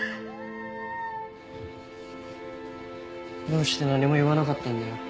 どうして何も言わなかったんだよ。